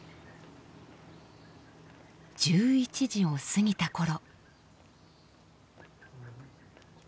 １１時を過ぎた頃。